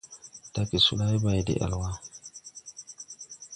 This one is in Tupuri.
Dage solay bay de-́ɛl wà.